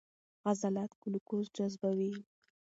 عضلات ګلوکوز جذبوي.